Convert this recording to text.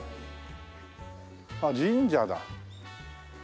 ああ神社だ。